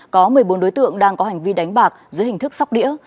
có một mươi bốn đối tượng đang có hành vi đánh bạc dưới hình thức sóc đĩa